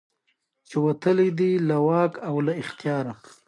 ما ویل د افغانستان.